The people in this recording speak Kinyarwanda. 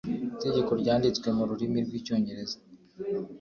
itegeko ryanditswe mu rurimi rw’ icyongereza